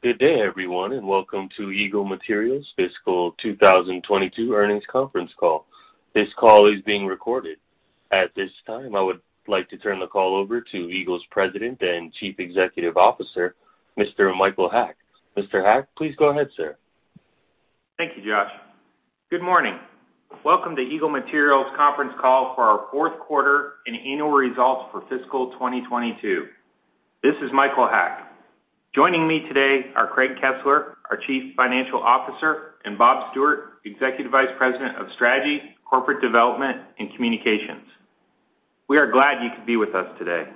Good day, everyone, and welcome to Eagle Materials Fiscal 2022 earnings conference call. This call is being recorded. At this time, I would like to turn the call over to Eagle's President and Chief Executive Officer, Mr. Michael Haack. Mr. Haack, please go ahead, sir. Thank you, Josh. Good morning. Welcome to Eagle Materials conference call for our fourth quarter and annual results for fiscal 2022. This is Michael Haack. Joining me today are Craig Kesler, our Chief Financial Officer, and Bob Stewart, Executive Vice President of Strategy, Corporate Development, and Communications. We are glad you could be with us today.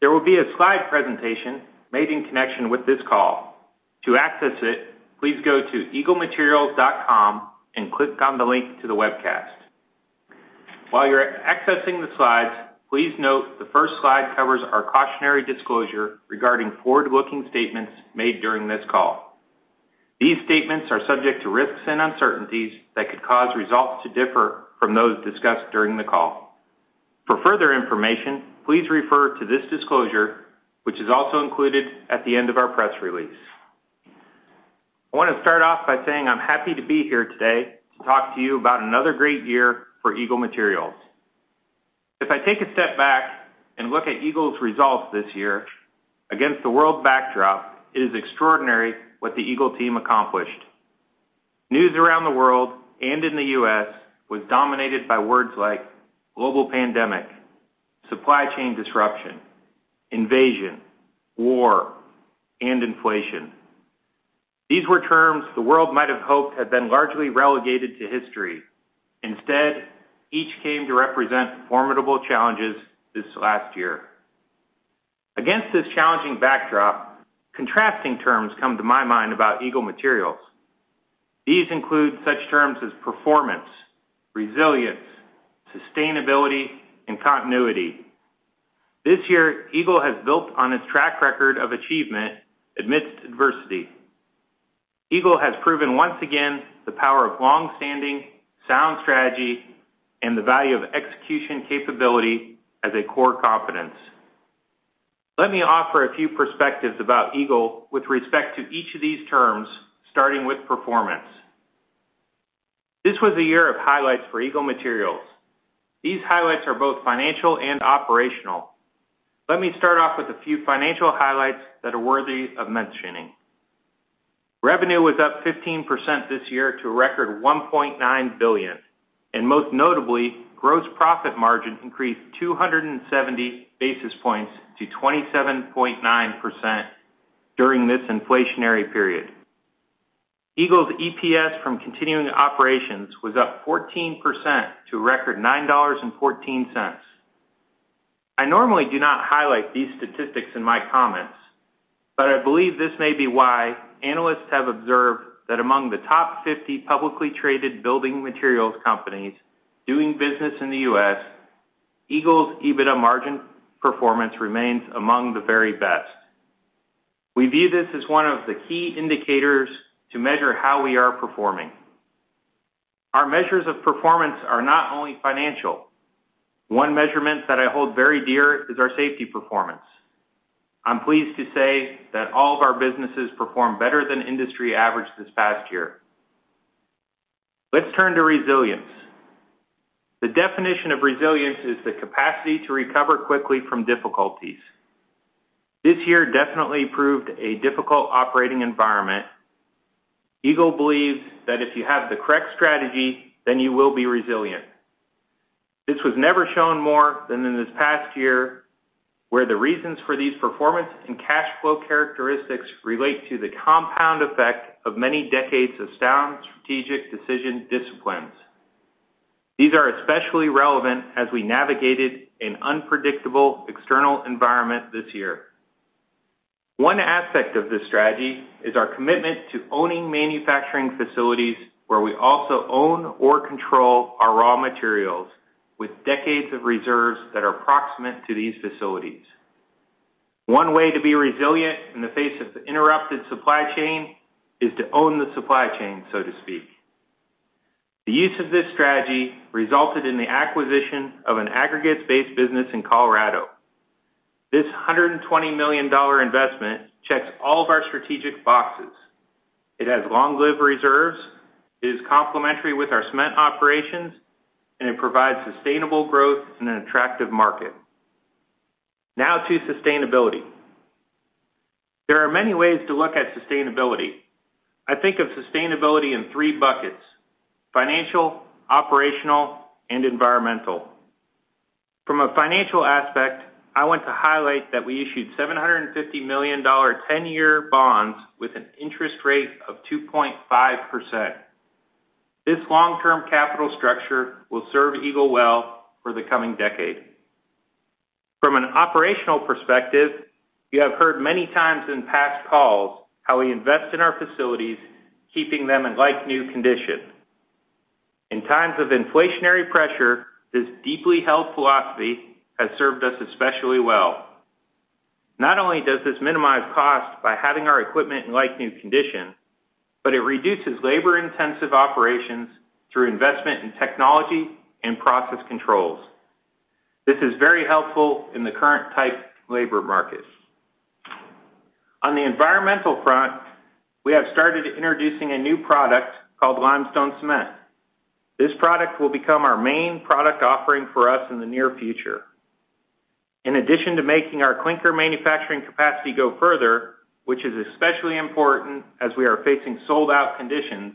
There will be a slide presentation made in connection with this call. To access it, please go to eaglematerials.com and click on the link to the webcast. While you're accessing the slides, please note the first slide covers our cautionary disclosure regarding forward-looking statements made during this call. These statements are subject to risks and uncertainties that could cause results to differ from those discussed during the call. For further information, please refer to this disclosure, which is also included at the end of our press release. I wanna start off by saying I'm happy to be here today to talk to you about another great year for Eagle Materials. If I take a step back and look at Eagle's results this year against the world backdrop, it is extraordinary what the Eagle team accomplished. News around the world and in the U.S. was dominated by words like global pandemic, supply chain disruption, invasion, war, and inflation. These were terms the world might have hoped had been largely relegated to history. Instead, each came to represent formidable challenges this last year. Against this challenging backdrop, contrasting terms come to my mind about Eagle Materials. These include such terms as performance, resilience, sustainability, and continuity. This year, Eagle has built on its track record of achievement amidst adversity. Eagle has proven once again the power of long-standing sound strategy and the value of execution capability as a core competence. Let me offer a few perspectives about Eagle with respect to each of these terms, starting with performance. This was a year of highlights for Eagle Materials. These highlights are both financial and operational. Let me start off with a few financial highlights that are worthy of mentioning. Revenue was up 15% this year to a record $1.9 billion, and most notably, gross profit margin increased 270 basis points to 27.9% during this inflationary period. Eagle's EPS from continuing operations was up 14% to a record $9.14. I normally do not highlight these statistics in my comments, but I believe this may be why analysts have observed that among the top 50 publicly traded building materials companies doing business in the U.S., Eagle's EBITDA margin performance remains among the very best. We view this as one of the key indicators to measure how we are performing. Our measures of performance are not only financial. One measurement that I hold very dear is our safety performance. I'm pleased to say that all of our businesses performed better than industry average this past year. Let's turn to resilience. The definition of resilience is the capacity to recover quickly from difficulties. This year definitely proved a difficult operating environment. Eagle believes that if you have the correct strategy, then you will be resilient. This was never shown more than in this past year, where the reasons for these performance and cash flow characteristics relate to the compound effect of many decades of sound strategic decision disciplines. These are especially relevant as we navigated an unpredictable external environment this year. One aspect of this strategy is our commitment to owning manufacturing facilities where we also own or control our raw materials with decades of reserves that are proximate to these facilities. One way to be resilient in the face of interrupted supply chain is to own the supply chain, so to speak. The use of this strategy resulted in the acquisition of an aggregates-based business in Colorado. This $120 million investment checks all of our strategic boxes. It has long-lived reserves, it is complementary with our cement operations, and it provides sustainable growth in an attractive market. Now to sustainability. There are many ways to look at sustainability. I think of sustainability in three buckets: financial, operational, and environmental. From a financial aspect, I want to highlight that we issued $750 million ten-year bonds with an interest rate of 2.5%. This long-term capital structure will serve Eagle well for the coming decade. From an operational perspective, you have heard many times in past calls how we invest in our facilities, keeping them in like-new condition. In times of inflationary pressure, this deeply held philosophy has served us especially well. Not only does this minimize cost by having our equipment in like-new condition, but it reduces labor-intensive operations through investment in technology and process controls. This is very helpful in the current tight labor markets. On the environmental front, we have started introducing a new product called limestone cement. This product will become our main product offering for us in the near future. In addition to making our clinker manufacturing capacity go further, which is especially important as we are facing sold-out conditions,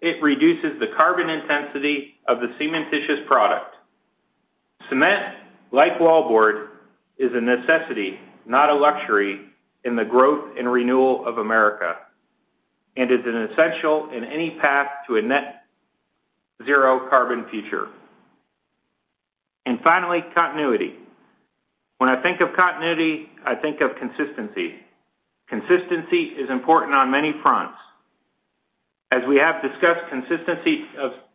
it reduces the carbon intensity of the cementitious product. Cement, like wallboard, is a necessity, not a luxury, in the growth and renewal of America, and is an essential in any path to a net zero carbon future. Finally, continuity. When I think of continuity, I think of consistency. Consistency is important on many fronts. As we have discussed, consistency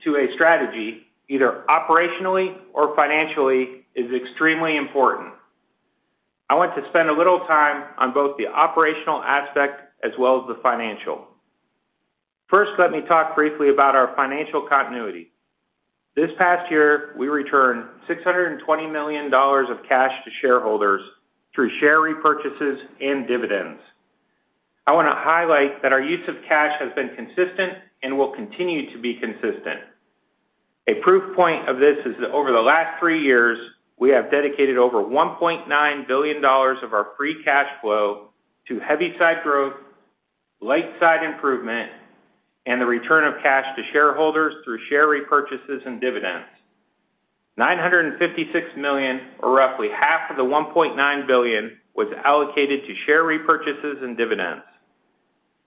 to a strategy, either operationally or financially, is extremely important. I want to spend a little time on both the operational aspect as well as the financial. First, let me talk briefly about our financial continuity. This past year, we returned $620 million of cash to shareholders through share repurchases and dividends. I wanna highlight that our use of cash has been consistent and will continue to be consistent. A proof point of this is that over the last three years, we have dedicated over $1.9 billion of our free cash flow to heavy side growth, light side improvement, and the return of cash to shareholders through share repurchases and dividends. $956 million, or roughly half of the $1.9 billion, was allocated to share repurchases and dividends.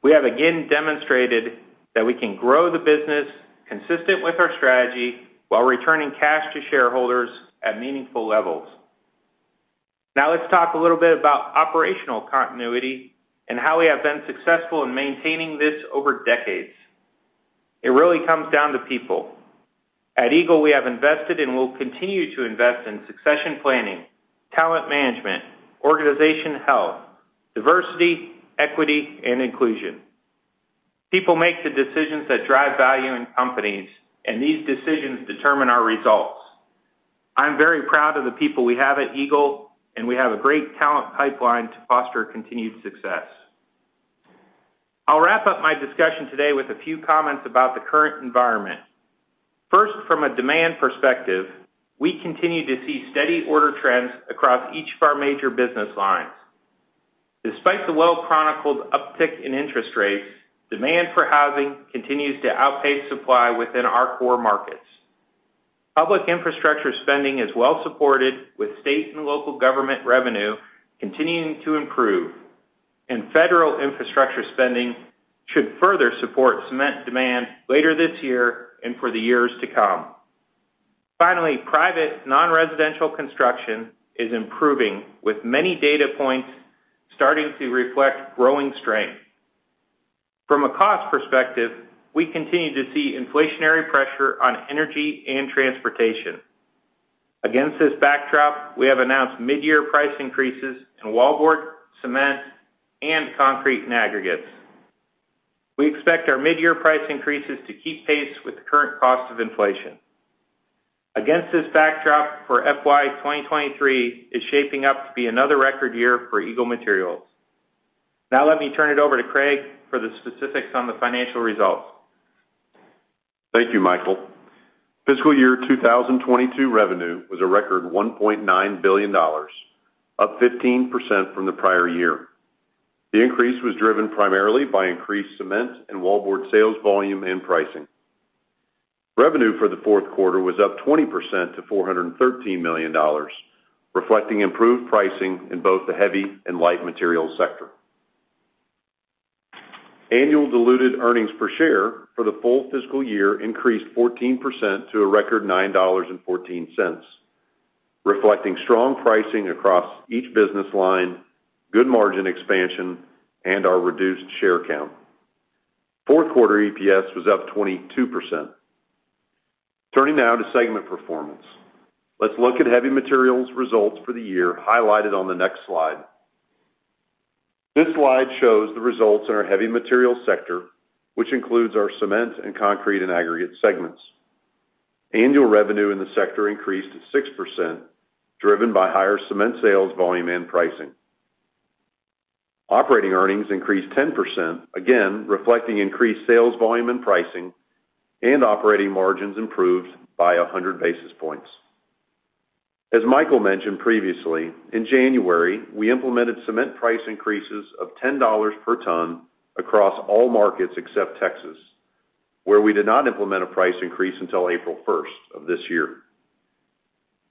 We have again demonstrated that we can grow the business consistent with our strategy while returning cash to shareholders at meaningful levels. Now let's talk a little bit about operational continuity and how we have been successful in maintaining this over decades. It really comes down to people. At Eagle, we have invested and will continue to invest in succession planning, talent management, organization health, diversity, equity and inclusion. People make the decisions that drive value in companies, and these decisions determine our results. I'm very proud of the people we have at Eagle, and we have a great talent pipeline to foster continued success. I'll wrap up my discussion today with a few comments about the current environment. First, from a demand perspective, we continue to see steady order trends across each of our major business lines. Despite the well-chronicled uptick in interest rates, demand for housing continues to outpace supply within our core markets. Public infrastructure spending is well supported, with state and local government revenue continuing to improve, and federal infrastructure spending should further support cement demand later this year and for the years to come. Finally, private non-residential construction is improving, with many data points starting to reflect growing strength. From a cost perspective, we continue to see inflationary pressure on energy and transportation. Against this backdrop, we have announced midyear price increases in wallboard, cement, and concrete, and aggregates. We expect our midyear price increases to keep pace with the current cost of inflation. Against this backdrop for FY 2023 is shaping up to be another record year for Eagle Materials. Now let me turn it over to Craig for the specifics on the financial results. Thank you, Michael. Fiscal year 2022 revenue was a record $1.9 billion, up 15% from the prior year. The increase was driven primarily by increased cement and wallboard sales volume and pricing. Revenue for the fourth quarter was up 20% to $413 million, reflecting improved pricing in both the heavy and light materials sector. Annual diluted earnings per share for the full fiscal year increased 14% to a record $9.14, reflecting strong pricing across each business line, good margin expansion, and our reduced share count. Fourth quarter EPS was up 22%. Turning now to segment performance. Let's look at heavy materials results for the year highlighted on the next slide. This slide shows the results in our heavy materials sector, which includes our cement and concrete and aggregate segments. Annual revenue in the sector increased 6%, driven by higher cement sales volume and pricing. Operating earnings increased 10%, again, reflecting increased sales volume and pricing, and operating margins improved by 100 basis points. As Michael mentioned previously, in January, we implemented cement price increases of $10 per ton across all markets except Texas, where we did not implement a price increase until April first of this year.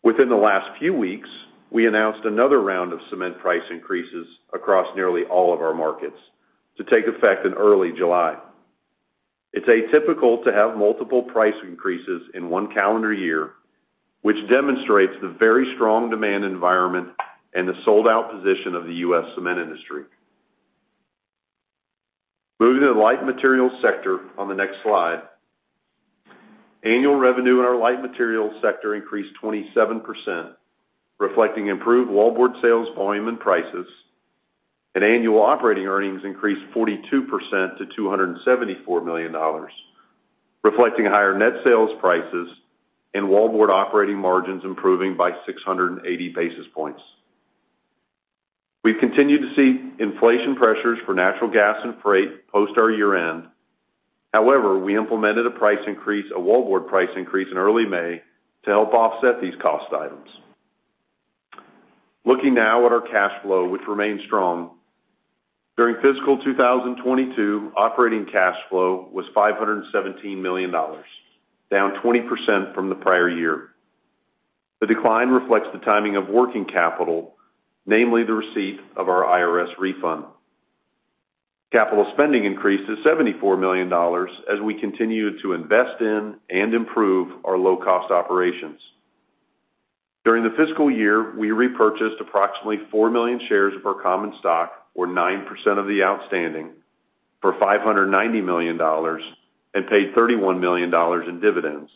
Within the last few weeks, we announced another round of cement price increases across nearly all of our markets to take effect in early July. It's atypical to have multiple price increases in one calendar year, which demonstrates the very strong demand environment and the sold-out position of the U.S. cement industry. Moving to the light materials sector on the next slide. Annual revenue in our light materials sector increased 27%, reflecting improved wallboard sales volume and prices. Annual operating earnings increased 42% to $274 million, reflecting higher net sales prices and wallboard operating margins improving by 680 basis points. We've continued to see inflation pressures for natural gas and freight post our year-end. However, we implemented a price increase, a wallboard price increase in early May to help offset these cost items. Looking now at our cash flow, which remains strong. During fiscal 2022, operating cash flow was $517 million, down 20% from the prior year. The decline reflects the timing of working capital, namely the receipt of our IRS refund. Capital spending increased to $74 million as we continued to invest in and improve our low-cost operations. During the fiscal year, we repurchased approximately four million shares of our common stock, or 9% of the outstanding, for $590 million and paid $31 million in dividends,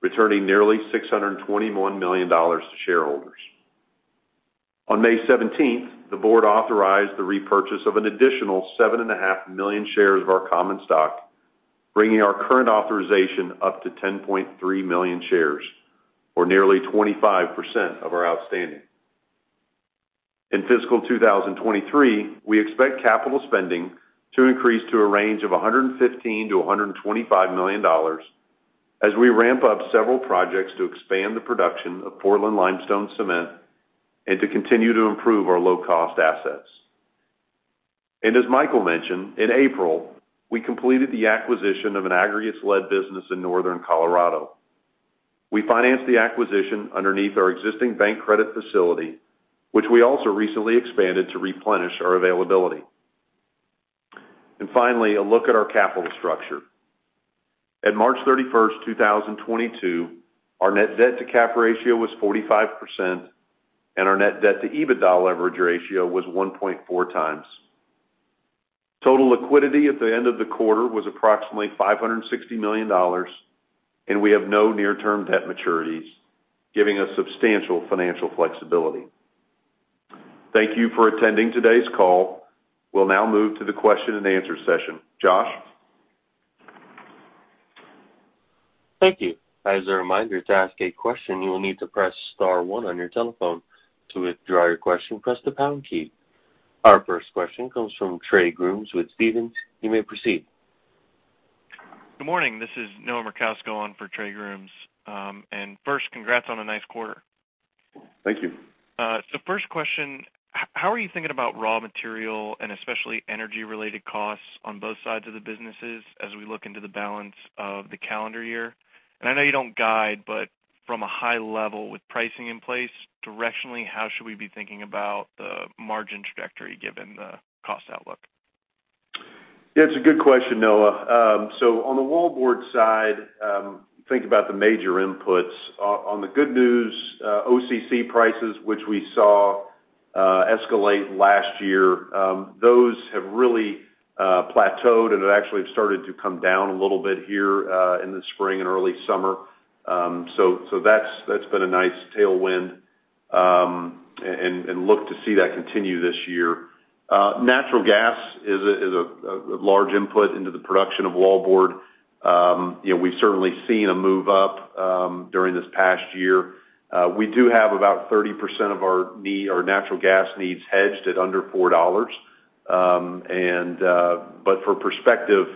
returning nearly $621 million to shareholders. On May 17th, the board authorized the repurchase of an additional 7.5 million shares of our common stock, bringing our current authorization up to 10.3 million shares, or nearly 25% of our outstanding. In fiscal 2023, we expect capital spending to increase to a range of $115 million-$125 million as we ramp up several projects to expand the production of Portland Limestone Cement and to continue to improve our low-cost assets. As Michael mentioned, in April, we completed the acquisition of an aggregates-led business in Northern Colorado. We financed the acquisition underneath our existing bank credit facility, which we also recently expanded to replenish our availability. Finally, a look at our capital structure. At March 31st, 2022, our net debt to cap ratio was 45%, and our net debt to EBITDA leverage ratio was 1.4x. Total liquidity at the end of the quarter was approximately $560 million, and we have no near-term debt maturities, giving us substantial financial flexibility. Thank you for attending today's call. We'll now move to the question-and-answer session. Josh? Thank you. As a reminder, to ask a question, you will need to press star one on your telephone. To withdraw your question, press the pound key. Our first question comes from Trey Grooms with Stephens. You may proceed. Good morning. This is Noah Merkousko on for Trey Grooms. First, congrats on a nice quarter. Thank you. So first question, how are you thinking about raw material and especially energy-related costs on both sides of the businesses as we look into the balance of the calendar year? I know you don't guide, but from a high level with pricing in place, directionally, how should we be thinking about the margin trajectory given the cost outlook? It's a good question, Noah. On the wallboard side, think about the major inputs. On the good news, OCC prices, which we saw escalate last year, those have really plateaued, and they actually have started to come down a little bit here in the spring and early summer. That's been a nice tailwind, and look to see that continue this year. Natural gas is a large input into the production of wallboard. You know, we've certainly seen a move up during this past year. We do have about 30% of our natural gas needs hedged at under $4. For perspective,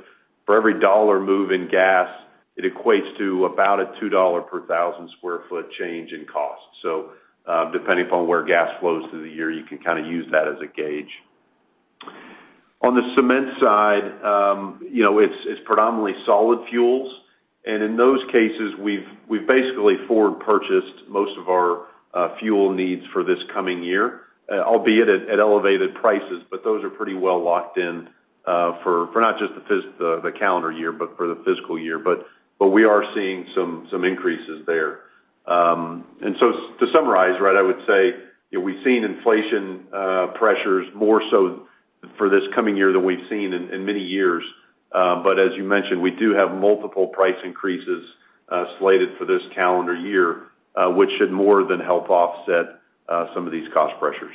for every $1 move in gas, it equates to about a $2 per 1,000 sq ft change in cost. Depending upon where gas flows through the year, you can kind of use that as a gauge. On the cement side, you know, it's predominantly solid fuels. In those cases, we've basically forward purchased most of our fuel needs for this coming year, albeit at elevated prices, but those are pretty well locked in for not just the calendar year, but for the fiscal year. We are seeing some increases there. To summarize, right, I would say, you know, we've seen inflation pressures more so for this coming year than we've seen in many years. As you mentioned, we do have multiple price increases slated for this calendar year, which should more than help offset some of these cost pressures.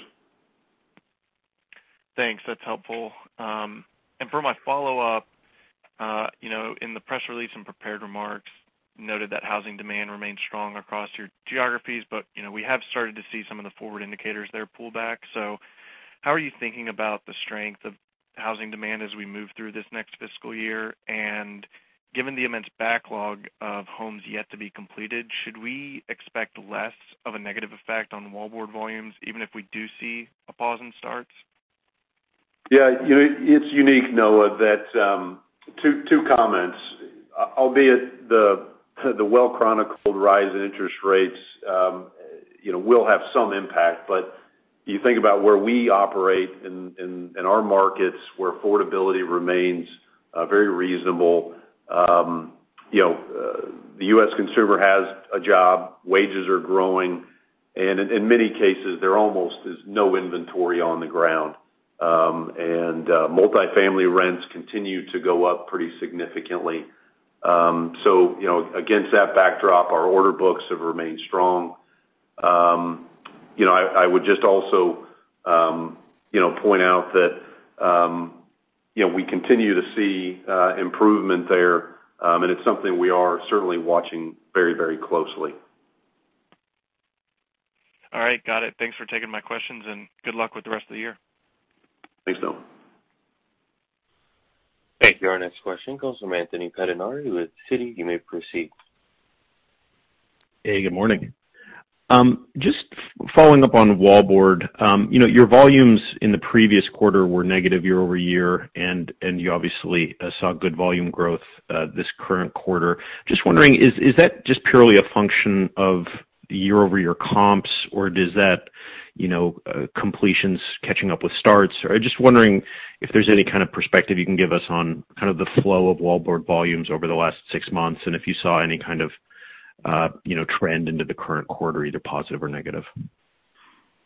Thanks. That's helpful. For my follow-up, you know, in the press release and prepared remarks, you noted that housing demand remains strong across your geographies, but, you know, we have started to see some of the forward indicators there pull back. How are you thinking about the strength of housing demand as we move through this next fiscal year? And given the immense backlog of homes yet to be completed, should we expect less of a negative effect on wallboard volumes, even if we do see a pause in starts? Yeah. You know, it's unique, Noah, that two comments, albeit the well-chronicled rise in interest rates, you know, will have some impact. You think about where we operate in our markets, where affordability remains very reasonable. You know, the U.S. consumer has a job, wages are growing, and in many cases, there almost is no inventory on the ground. Multifamily rents continue to go up pretty significantly. You know, against that backdrop, our order books have remained strong. You know, I would just also, you know, point out that, you know, we continue to see improvement there, and it's something we are certainly watching very, very closely. All right. Got it. Thanks for taking my questions, and good luck with the rest of the year. Thanks, Noah. Thank you. Our next question comes from Anthony Pettinari with Citi. You may proceed. Hey, good morning. Just following up on wallboard. You know, your volumes in the previous quarter were negative year-over-year, and you obviously saw good volume growth this current quarter. Just wondering, is that just purely a function of year-over-year comps, or does that you know, completions catching up with starts? Or just wondering if there's any kind of perspective you can give us on kind of the flow of wallboard volumes over the last six months, and if you saw any kind of you know, trend into the current quarter, either positive or negative.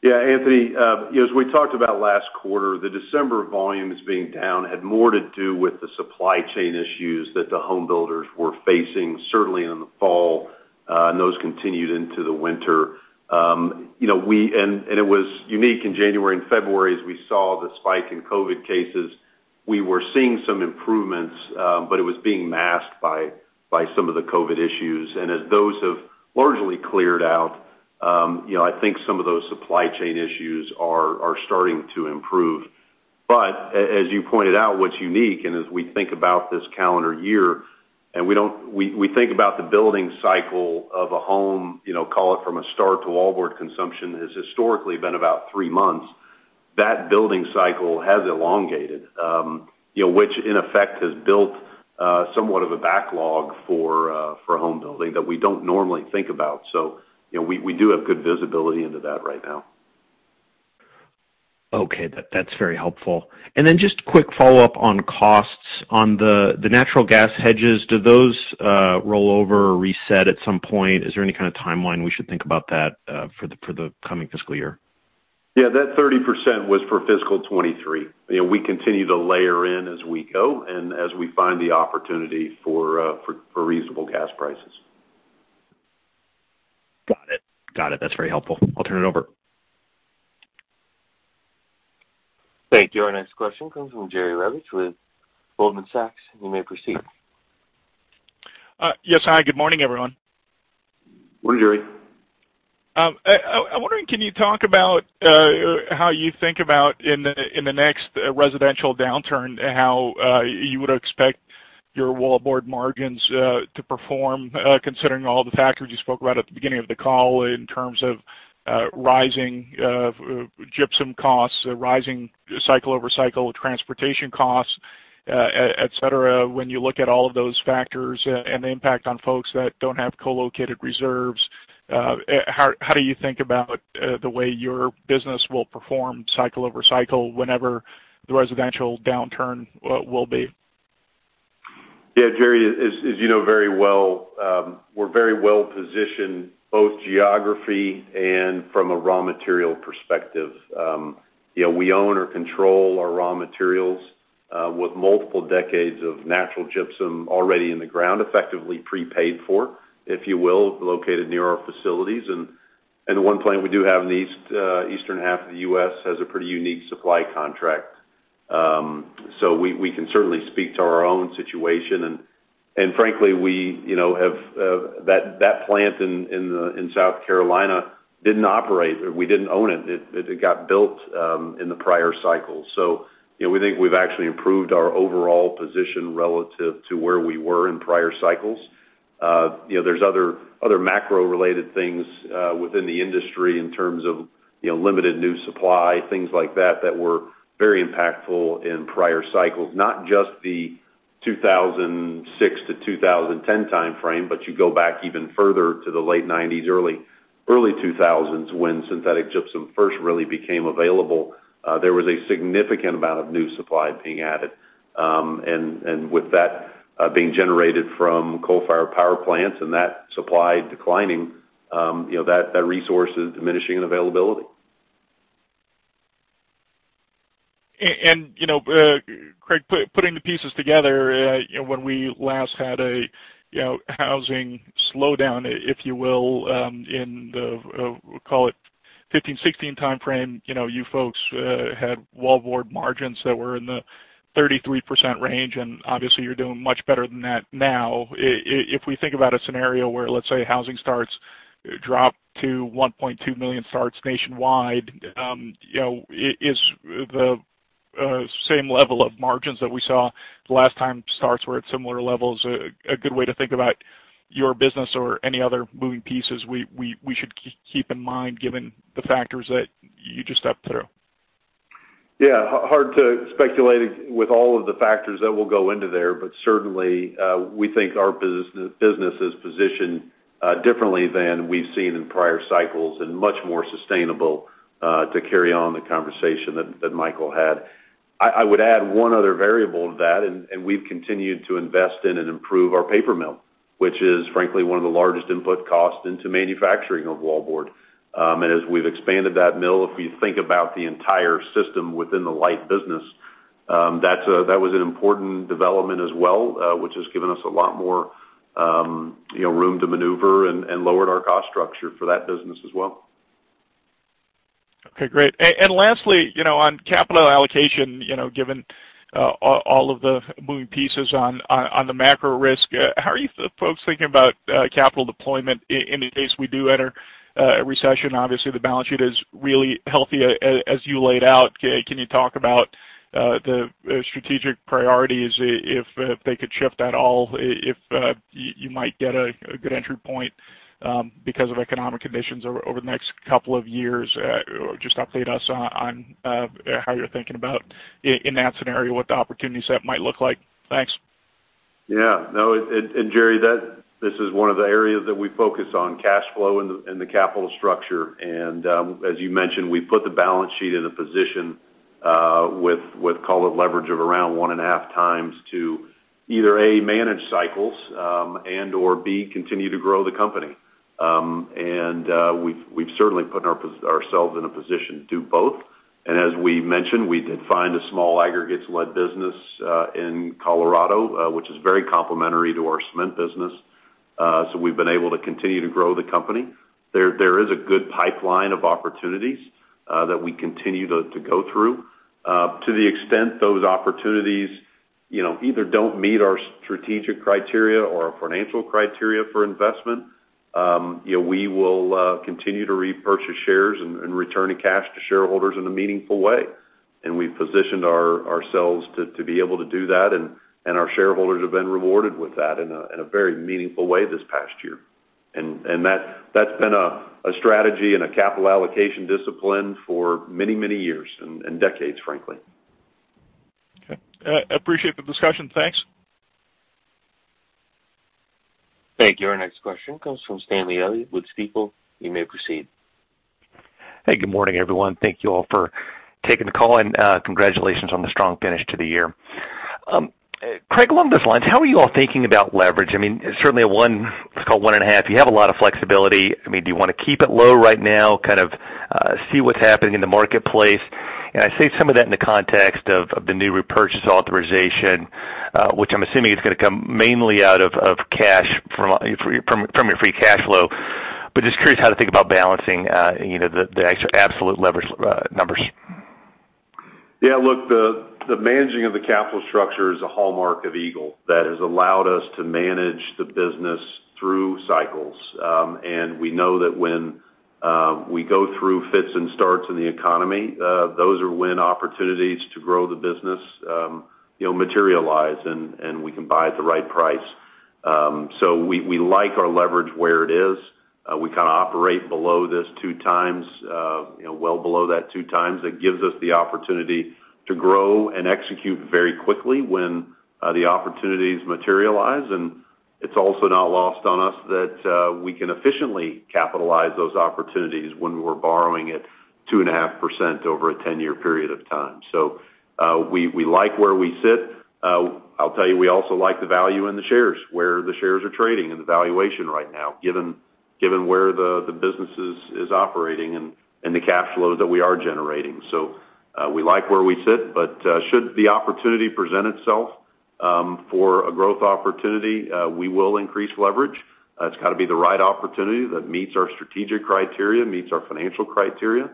Yeah, Anthony, you know, as we talked about last quarter, the December volumes being down had more to do with the supply chain issues that the home builders were facing, certainly in the fall, and those continued into the winter. You know, it was unique in January and February as we saw the spike in COVID cases. We were seeing some improvements, but it was being masked by some of the COVID issues. As those have largely cleared out, you know, I think some of those supply chain issues are starting to improve. But as you pointed out, what's unique, and as we think about this calendar year, and we think about the building cycle of a home, you know, call it from a start to wallboard consumption, has historically been about three months. That building cycle has elongated, you know, which in effect has built somewhat of a backlog for home building that we don't normally think about. You know, we do have good visibility into that right now. Okay. That's very helpful. Just quick follow-up on costs on the natural gas hedges. Do those roll over or reset at some point? Is there any kind of timeline we should think about that for the coming fiscal year? Yeah. That 30% was for fiscal 2023. You know, we continue to layer in as we go and as we find the opportunity for reasonable gas prices. Got it. That's very helpful. I'll turn it over. Thank you. Our next question comes from Jerry Revich with Goldman Sachs. You may proceed. Yes. Hi, good morning, everyone. Morning, Jerry. I'm wondering, can you talk about how you think about in the next residential downturn, how you would expect your wallboard margins to perform, considering all the factors you spoke about at the beginning of the call in terms of rising gypsum costs, rising cycle over cycle transportation costs, et cetera. When you look at all of those factors and the impact on folks that don't have co-located reserves, how do you think about the way your business will perform cycle over cycle whenever the residential downturn will be? Yeah, Jerry, as you know very well, we're very well positioned both geographically and from a raw material perspective. You know, we own or control our raw materials with multiple decades of natural gypsum already in the ground, effectively prepaid for, if you will, located near our facilities. The one plant we do have in the eastern half of the U.S. has a pretty unique supply contract. We can certainly speak to our own situation. Frankly, we you know have that plant in South Carolina didn't operate. We didn't own it. It got built in the prior cycle. You know, we think we've actually improved our overall position relative to where we were in prior cycles. You know, there's other macro related things within the industry in terms of, you know, limited new supply, things like that were very impactful in prior cycles, not just the 2006 to 2010 timeframe, but you go back even further to the late 1990s, early 2000s, when synthetic gypsum first really became available. There was a significant amount of new supply being added. With that being generated from coal-fired power plants and that supply declining, you know, that resource is diminishing in availability. You know, Craig, putting the pieces together, you know, when we last had a housing slowdown, if you will, in the call it 15, 16 timeframe, you know, you folks had wallboard margins that were in the 33% range, and obviously you're doing much better than that now. If we think about a scenario where, let's say, housing starts drop to 1.2 million starts nationwide, you know, is the same level of margins that we saw the last time starts were at similar levels a good way to think about your business or any other moving pieces we should keep in mind given the factors that you just stepped through? Yeah, hard to speculate with all of the factors that will go into there, but certainly, we think our business is positioned differently than we've seen in prior cycles and much more sustainable to carry on the conversation that Michael had. I would add one other variable to that, and we've continued to invest in and improve our paper mill. Which is frankly one of the largest input costs into manufacturing of wallboard. As we've expanded that mill, if you think about the entire system within the light business, that was an important development as well, which has given us a lot more you know room to maneuver and lowered our cost structure for that business as well. Okay, great. And lastly, you know, on capital allocation, you know, given all of the moving pieces on the macro risk, how are you folks thinking about capital deployment in case we do enter a recession? Obviously, the balance sheet is really healthy as you laid out. Can you talk about the strategic priorities if they could shift at all, if you might get a good entry point because of economic conditions over the next couple of years? Just update us on how you're thinking about in that scenario, what the opportunity set might look like. Thanks. Yeah. No, Jerry, this is one of the areas that we focus on cash flow in the capital structure. As you mentioned, we put the balance sheet in a position with call it leverage of around 1.5x to either A, manage cycles and/or B, continue to grow the company. We've certainly put ourselves in a position to do both. As we mentioned, we did find a small aggregates-led business in Colorado, which is very complementary to our cement business. So we've been able to continue to grow the company. There is a good pipeline of opportunities that we continue to go through. To the extent those opportunities, you know, either don't meet our strategic criteria or our financial criteria for investment, you know, we will continue to repurchase shares and return the cash to shareholders in a meaningful way. We positioned ourselves to be able to do that, and our shareholders have been rewarded with that in a very meaningful way this past year. That's been a strategy and a capital allocation discipline for many years and decades, frankly. Okay. I appreciate the discussion. Thanks. Thank you. Our next question comes from Stanley Elliott with Stifel. You may proceed. Hey, good morning, everyone. Thank you all for taking the call and congratulations on the strong finish to the year. Craig, along those lines, how are you all thinking about leverage? I mean, certainly 1.5. You have a lot of flexibility. I mean, do you wanna keep it low right now, kind of see what's happening in the marketplace? I say some of that in the context of the new repurchase authorization, which I'm assuming is gonna come mainly out of cash from your free cash flow. Just curious how to think about balancing, you know, the actual absolute leverage numbers. Yeah, look, the managing of the capital structure is a hallmark of Eagle that has allowed us to manage the business through cycles. We know that when we go through fits and starts in the economy, those are when opportunities to grow the business, you know, materialize, and we can buy at the right price. We like our leverage where it is. We kinda operate below 2x, you know, well below that 2x. That gives us the opportunity to grow and execute very quickly when the opportunities materialize. It's also not lost on us that we can efficiently capitalize those opportunities when we're borrowing at 2.5% over a 10-year period of time. We like where we sit. I'll tell you, we also like the value in the shares, where the shares are trading and the valuation right now, given where the business is operating and the cash flow that we are generating. We like where we sit. Should the opportunity present itself for a growth opportunity, we will increase leverage. It's gotta be the right opportunity that meets our strategic criteria, meets our financial criteria,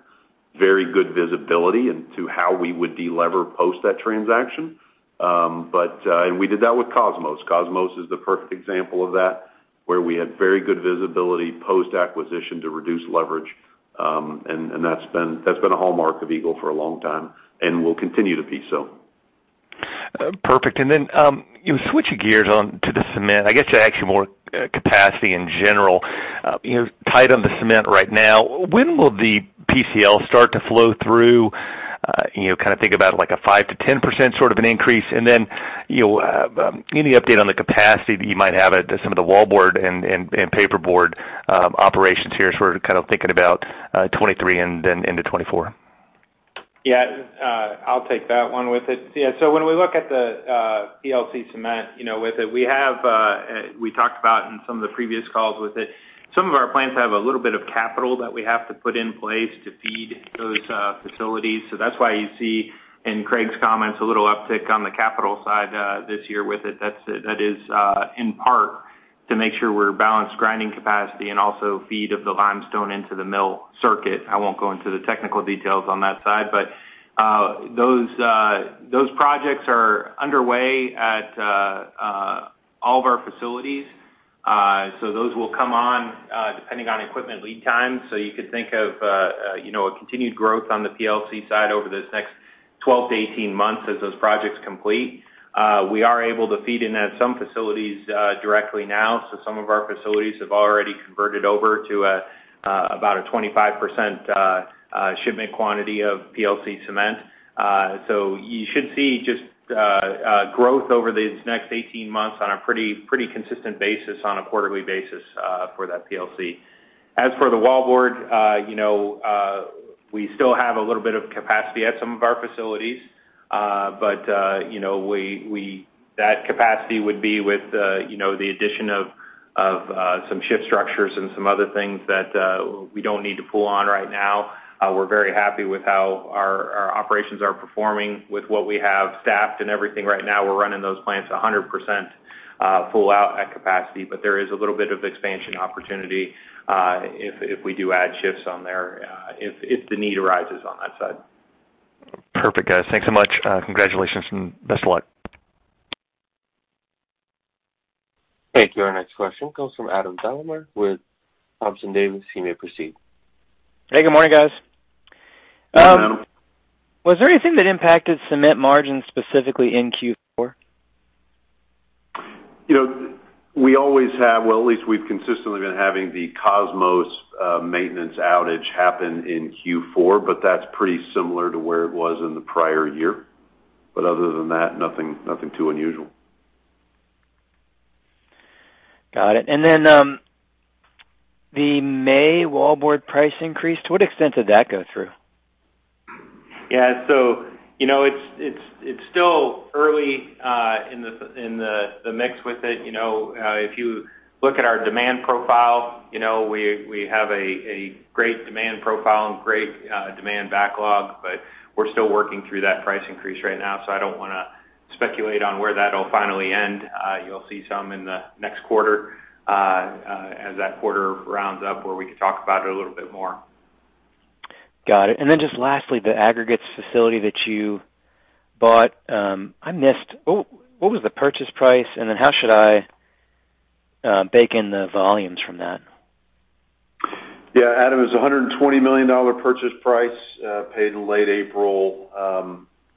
very good visibility into how we would delever post that transaction. We did that with Kosmos. Kosmos is the perfect example of that, where we had very good visibility post-acquisition to reduce leverage, and that's been a hallmark of Eagle for a long time and will continue to be so. Perfect. Then, switching gears onto the cement, I guess actually more capacity in general. You know, tight on the cement right now. When will the PLC start to flow through? You know, kinda think about like a 5%-10% sort of an increase. Then, you know, any update on the capacity that you might have at some of the wallboard and paperboard operations here as we're kind of thinking about 2023 and then into 2024? Yeah. I'll take that one with it. Yeah, so when we look at the PLC cement, you know, with it, we talked about in some of the previous calls with it. Some of our plants have a little bit of capital that we have to put in place to feed those facilities. That's why you see in Craig's comments a little uptick on the capital side this year with it. That is in part to make sure we're balanced grinding capacity and also feed of the limestone into the mill circuit. I won't go into the technical details on that side, but those projects are underway at all of our facilities. Those will come on depending on equipment lead time. You could think of, you know, a continued growth on the PLC side over this next 12-18 months as those projects complete. We are able to feed in at some facilities directly now. Some of our facilities have already converted over to about a 25% shipment quantity of PLC cement. You should see just growth over these next 18 months on a pretty consistent basis on a quarterly basis for that PLC. As for the wallboard, you know, we still have a little bit of capacity at some of our facilities. You know, that capacity would be with you know, the addition of some shift structures and some other things that we don't need to pull on right now. We're very happy with how our operations are performing with what we have staffed and everything. Right now, we're running those plants 100% full out at capacity, but there is a little bit of expansion opportunity if we do add shifts on there if the need arises on that side. Perfect, guys. Thanks so much. Congratulations and best of luck. Thank you. Our next question comes from Adam Thalhimer with Thompson Davis. You may proceed. Hey, good morning, guys. Good morning, Adam. Was there anything that impacted cement margins specifically in Q4? You know, we always have. Well, at least we've consistently been having the Kosmos maintenance outage happen in Q4, but that's pretty similar to where it was in the prior year. Other than that, nothing too unusual. Got it. The May wallboard price increase, to what extent did that go through? Yeah, you know, it's still early in the mix with it, you know. If you look at our demand profile, you know, we have a great demand profile and great demand backlog, but we're still working through that price increase right now, so I don't wanna speculate on where that'll finally end. You'll see some in the next quarter as that quarter rounds up, where we can talk about it a little bit more. Got it. Just lastly, the aggregates facility that you bought, I missed, what was the purchase price, and then how should I bake in the volumes from that? Yeah, Adam, it was a $120 million purchase price paid in late April.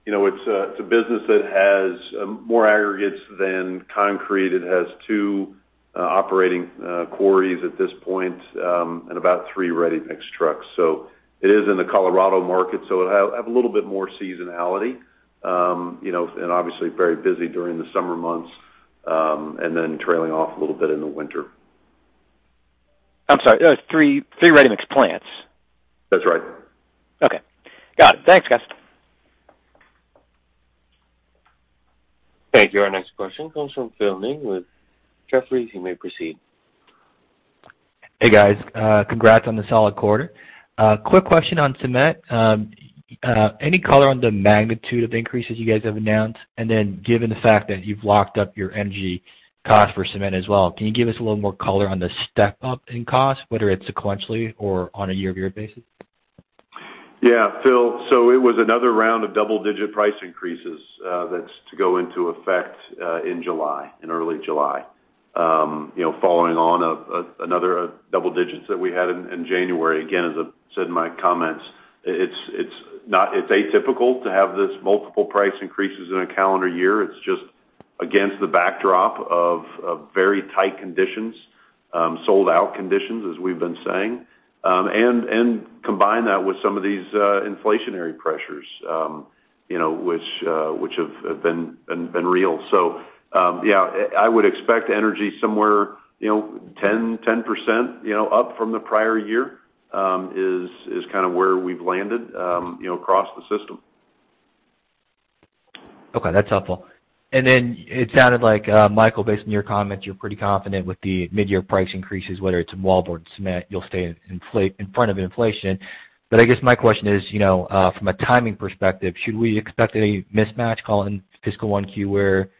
You know, it's a business that has more aggregates than concrete. It has two operating quarries at this point and about three ready-mix trucks. It is in the Colorado market, so it'll have a little bit more seasonality. You know, and obviously very busy during the summer months and then trailing off a little bit in the winter. I'm sorry, three ready-mix plants. That's right. Okay. Got it. Thanks, guys. Thank you. Our next question comes from Philip Ng with Jefferies. You may proceed. Hey, guys. Congrats on the solid quarter. Quick question on cement. Any color on the magnitude of increases you guys have announced? Given the fact that you've locked up your energy cost for cement as well, can you give us a little more color on the step up in cost, whether it's sequentially or on a year-over-year basis? Yeah. Phil, so it was another round of double-digit price increases, that's to go into effect in July, in early July. You know, following on another double-digit that we had in January. Again, as I said in my comments, it's not atypical to have this multiple price increases in a calendar year. It's just against the backdrop of very tight conditions, sold out conditions, as we've been saying. Combine that with some of these inflationary pressures, you know, which have been real. Yeah, I would expect energy somewhere, you know, 10% up from the prior year, is kinda where we've landed, you know, across the system. Okay, that's helpful. It sounded like, Michael, based on your comments, you're pretty confident with the midyear price increases, whether it's in wallboard or cement, you'll stay in front of inflation. I guess my question is, you know, from a timing perspective, should we expect any mismatch, call it, in fiscal 1Q, where,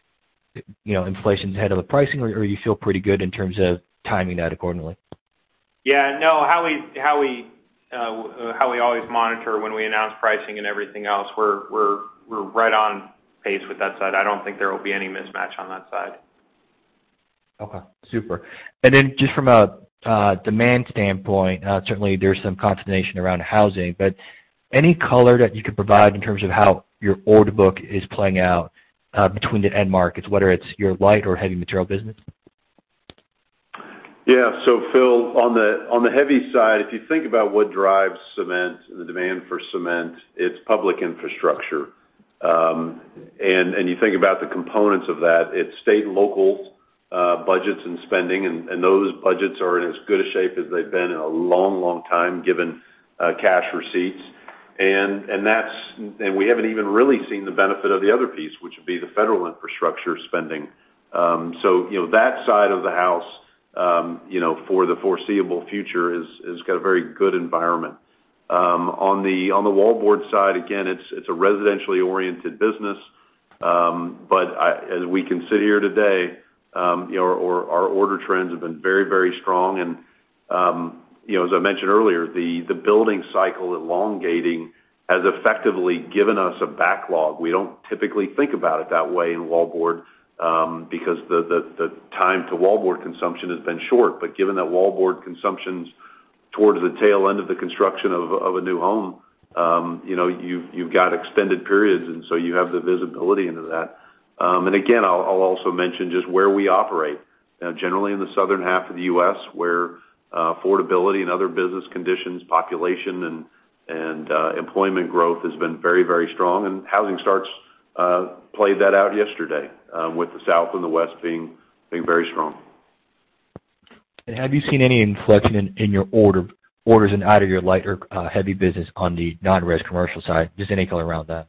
you know, inflation's ahead of the pricing, or you feel pretty good in terms of timing that accordingly? Yeah, no. How we always monitor when we announce pricing and everything else, we're right on pace with that side. I don't think there will be any mismatch on that side. Okay. Super. Just from a demand standpoint, certainly there's some consternation around housing, but any color that you could provide in terms of how your order book is playing out between the end markets, whether it's your light or heavy material business? Yeah. Phil, on the heavy side, if you think about what drives cement and the demand for cement, it's public infrastructure. You think about the components of that, it's state and local budgets and spending, and those budgets are in as good a shape as they've been in a long, long time, given cash receipts. We haven't even really seen the benefit of the other piece, which would be the federal infrastructure spending. You know, that side of the house, you know, for the foreseeable future is got a very good environment. On the wallboard side, again, it's a residentially oriented business. As we can sit here today, you know, our order trends have been very strong. You know, as I mentioned earlier, the building cycle elongating has effectively given us a backlog. We don't typically think about it that way in wallboard, because the time to wallboard consumption has been short. Given that wallboard consumption's towards the tail end of the construction of a new home, you know, you've got extended periods, and so you have the visibility into that. Again, I'll also mention just where we operate. Now, generally in the southern half of the U.S., where affordability and other business conditions, population and employment growth has been very, very strong. Housing starts played that out yesterday, with the South and the West being very strong. Have you seen any inflection in your orders in either your light or heavy business on the non-res commercial side? Just any color around that.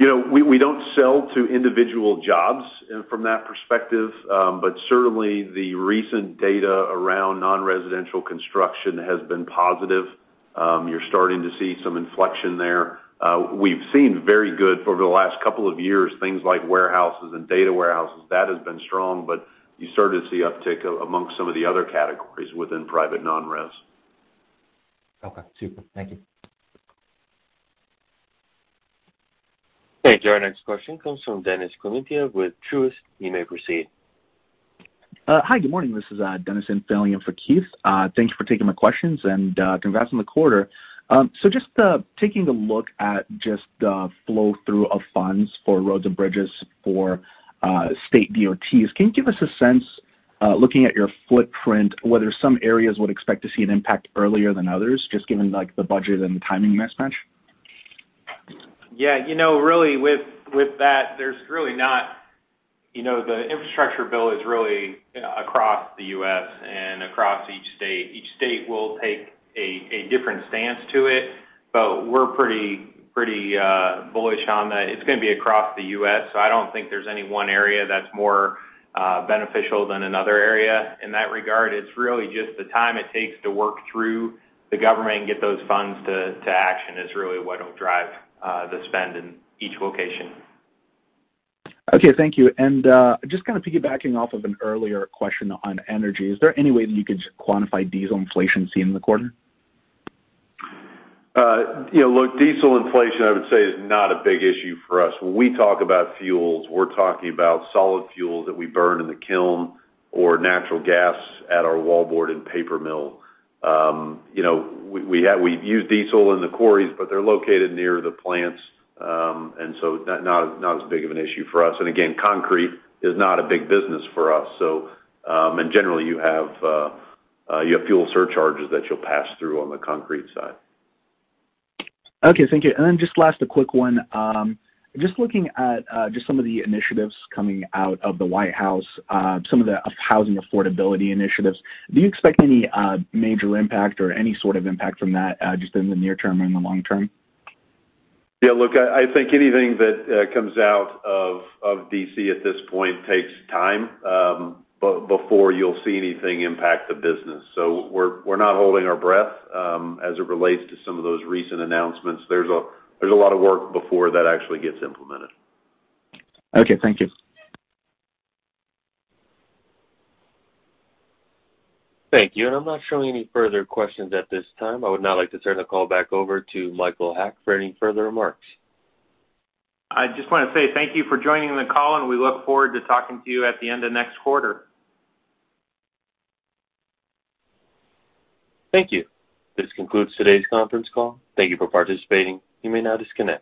You know, we don't sell to individual jobs from that perspective, but certainly the recent data around non-residential construction has been positive. You're starting to see some inflection there. We've seen very good over the last couple of years, things like warehouses and data warehouses. That has been strong, but you're starting to see uptick amongst some of the other categories within private non-res. Okay. Super. Thank you. Thank you. Our next question comes from Keith Hughes with Truist. You may proceed. Hi, good morning. This is Dennis filling in for Keith Hughes. Thank you for taking my questions, and congrats on the quarter. Just taking a look at just the flow through of funds for roads and bridges for state DOTs, can you give us a sense looking at your footprint whether some areas would expect to see an impact earlier than others, just given, like, the budget and timing mismatch? Yeah. You know, really with that, there's really not. You know, the infrastructure bill is really, you know, across the U.S. and across each state. Each state will take a different stance to it, but we're pretty bullish on that. It's gonna be across the U.S., so I don't think there's any one area that's more beneficial than another area in that regard. It's really just the time it takes to work through the government and get those funds to action is really what'll drive the spend in each location. Okay, thank you. Just kinda piggybacking off of an earlier question on energy, is there any way that you could quantify diesel inflation seen in the quarter? You know, look, diesel inflation, I would say, is not a big issue for us. When we talk about fuels, we're talking about solid fuels that we burn in the kiln or natural gas at our wallboard and paper mill. You know, we use diesel in the quarries, but they're located near the plants, and so not as big of an issue for us. Again, concrete is not a big business for us. Generally, you have fuel surcharges that you'll pass through on the concrete side. Okay, thank you. Then just last, a quick one. Just looking at just some of the initiatives coming out of the White House, some of the housing affordability initiatives, do you expect any major impact or any sort of impact from that, just in the near term and the long term? Yeah. Look, I think anything that comes out of D.C. at this point takes time before you'll see anything impact the business. We're not holding our breath as it relates to some of those recent announcements. There's a lot of work before that actually gets implemented. Okay, thank you. Thank you. I'm not showing any further questions at this time. I would now like to turn the call back over to Michael Haack for any further remarks. I just wanna say thank you for joining the call, and we look forward to talking to you at the end of next quarter. Thank you. This concludes today's conference call. Thank you for participating. You may now disconnect.